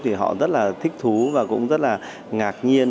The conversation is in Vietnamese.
thì họ rất là thích thú và cũng rất là ngạc nhiên